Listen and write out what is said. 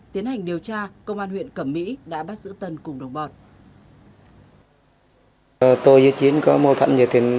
tiến hành điều tra công an huyện cẩm mỹ đã bắt giữ tân cùng đồng bọn